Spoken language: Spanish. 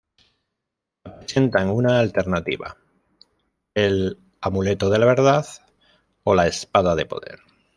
La presentan una alternativa: el "Amuleto de la Verdad" o "La Espada de Poder".